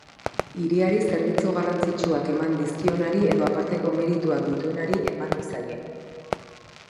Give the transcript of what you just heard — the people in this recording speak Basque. Hiriari zerbitzu garrantzitsuak eman dizkionari edo aparteko merituak dituenari eman ohi zaie.